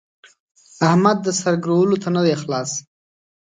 احمد د سر ګرولو ته نه دی خلاص.